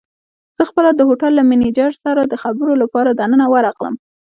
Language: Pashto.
زه خپله د هوټل له مېنېجر سره د خبرو لپاره دننه ورغلم.